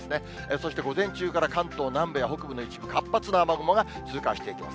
そして午前中から関東南部や北部の一部、活発な雨雲が通過していきます。